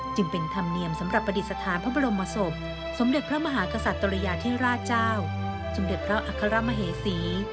จึงเป็นธรรมเนียมสำหรับประดิษฐานพระบรมศพสมเด็จพระมหากษัตริยาธิราชเจ้าสมเด็จพระอัครมเหสี